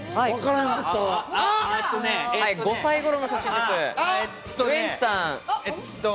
５歳頃の写真です。